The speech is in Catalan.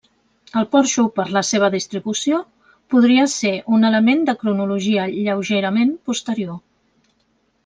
El porxo, per la seva distribució, podria ser un element de cronologia lleugerament posterior.